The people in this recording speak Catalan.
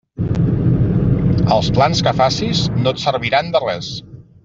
Els plans que facis no et serviran de res.